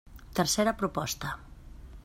Tercera proposta.